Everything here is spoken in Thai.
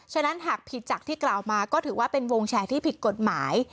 ฉะนั้นหากผิดจากที่กล่าวมาก็ถือว่าเป็นวงแชร์ที่ผิดกฎหมาย